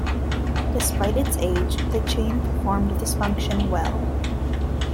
Despite its age, the chain performed this function well.